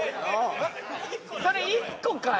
それ１個かい？